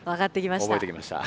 おぼえてきました。